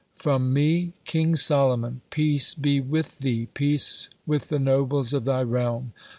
"From me, King Solomon! Peace be with thee, peace with the nobles of thy realm!